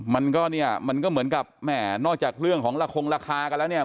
มันก็เนี่ยมันก็เหมือนกับแหม่นอกจากเรื่องของละคงราคากันแล้วเนี่ย